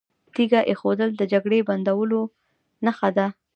تیږه ایښودل د جګړې د بندولو نښه ده.